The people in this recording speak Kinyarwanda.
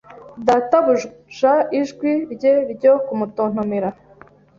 Databuja ijwi rye ryo kumutontomera